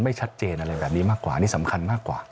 ไม่ชัดเจนอะไรแบบนี้มากกว่าอันนี้สำคัญมากกว่า